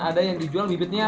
ada yang dijual bibitnya